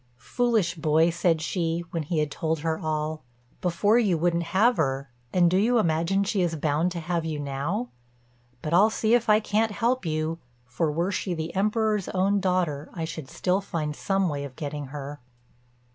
"Foolish boy," said she, when he had told her all; "before you wouldn't have her, and do you imagine she is bound to have you now? But I'll see if I can't help you; for were she the Emperor's own daughter, I should still find some way of getting her."